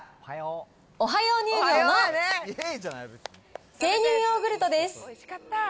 オハヨー乳業の生乳ヨーグルトです。